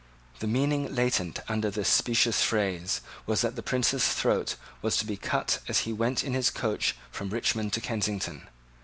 The meaning latent under this specious phrase was that the Prince's throat was to be cut as he went in his coach from Richmond to Kensington.